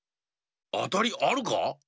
あたりあるか？